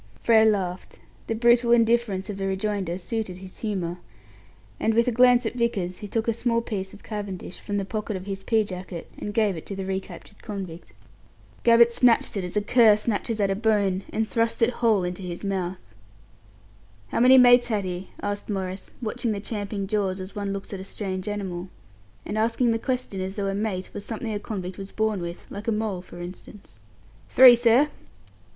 Frere laughed. The brutal indifference of the rejoinder suited his humour, and, with a glance at Vickers, he took a small piece of cavendish from the pocket of his pea jacket, and gave it to the recaptured convict. Gabbett snatched it as a cur snatches at a bone, and thrust it whole into his mouth. "How many mates had he?" asked Maurice, watching the champing jaws as one looks at a strange animal, and asking the question as though a "mate" was something a convict was born with like a mole, for instance. "Three, sir."